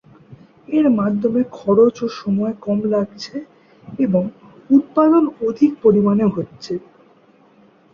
এর মাধ্যমে খরচ ও সময় কম লাগছে এবং উৎপাদন অধিক পরিমাণে হচ্ছে।